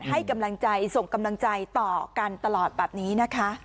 ให้กำลังใจส่งกำลังใจต่อกันตลอดแบบนี้นะคะ